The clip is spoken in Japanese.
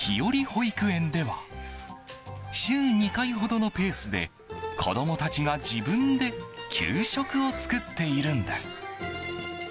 保育園では週２回ほどのペースで子供たちが自分で給食を作っているんです。